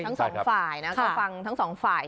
ทั้งสองฝ่ายนะก็ฟังทั้งสองฝ่าย